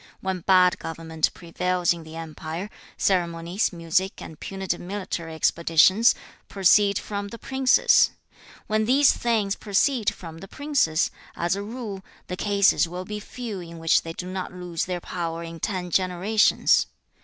When bad government prevails in the empire, ceremonies, music, and punitive military expeditions proceed from the princes. When these things proceed from the princes, as a rule, the cases will be few in which they do not lose their power in ten generations.